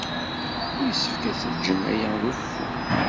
Yessefk ad teǧǧemt aya d ufur.